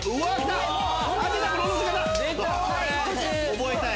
覚えたい。